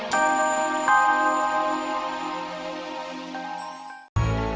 sedikit aja tuhan